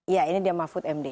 ya ini dia mahfud md